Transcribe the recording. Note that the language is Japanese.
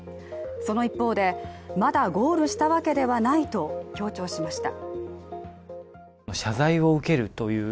その一方で、まだゴールしたわけではないと強調しました。